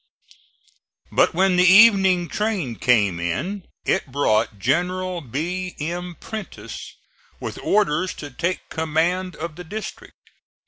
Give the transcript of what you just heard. But when the evening train came in, it brought General B. M. Prentiss with orders to take command of the district.